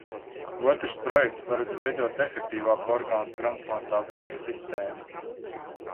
Otrs projekts paredz veidot efektīvāku orgānu transplantācijas sistēmu.